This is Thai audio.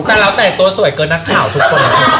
แต่เราแต่งตัวสวยเกินนักข่าวทุกคน